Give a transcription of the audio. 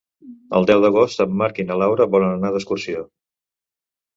El deu d'agost en Marc i na Laura volen anar d'excursió.